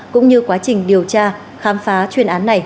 cũng như quá trình điều tra khám phá chuyên án này